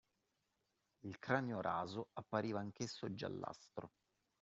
Il cranio raso appariva anch’esso giallastro.